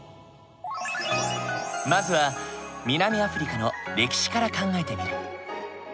まずは南アフリカの歴史から考えてみる。